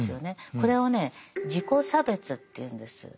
これをね自己差別というんです。